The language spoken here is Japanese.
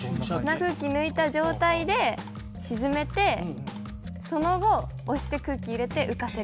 空気抜いた状態で沈めてその後押して空気入れて浮かせる。